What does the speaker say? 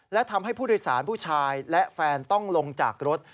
และทำให้ผู้โดยสารผู้ชายและแฟนต้องลงจากรถ